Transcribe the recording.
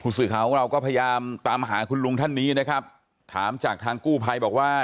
สื่อข่าวของเราก็พยายามตามหาคุณลุงท่านนี้นะครับถามจากทางกู้ภัยบอกว่า